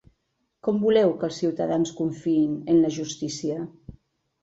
Com voleu que els ciutadans confiïn en la justícia?